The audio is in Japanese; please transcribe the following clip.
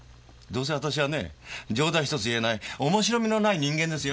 どうせ私はねぇ冗談ひとつ言えない面白みのない人間ですよ！